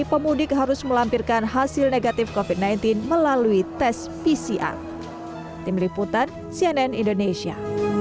pemudik harus melampirkan hasil negatif covid sembilan belas melalui tes pcr tim liputan cnn indonesia